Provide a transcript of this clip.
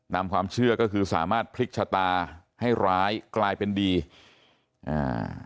ความเชื่อก็คือสามารถพลิกชะตาให้ร้ายกลายเป็นดีอ่า